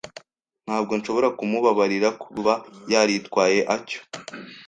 Ntabwo nshobora kumubabarira kuba yaritwaye atyo.